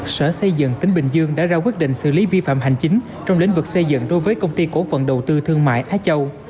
sở xây dựng tỉnh bình dương đã ra quyết định xử lý vi phạm hành chính trong lĩnh vực xây dựng đối với công ty cổ phần đầu tư thương mại thái châu